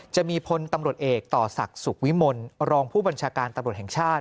จะมีพลตำรวจเอกต่อศักดิ์สุขวิมลรองผู้บัญชาการตำรวจแห่งชาติ